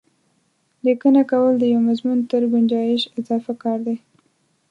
لیکنه کول د یوه مضمون تر ګنجایش اضافه کار دی.